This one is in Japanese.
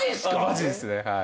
マジですねはい。